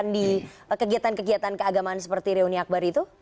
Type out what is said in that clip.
di kegiatan kegiatan keagamaan seperti reuni akbar itu